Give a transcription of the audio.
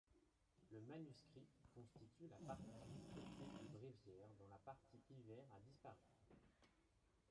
Le manuscrit constitue la partie été du bréviaire dont la partie hiver a disparu.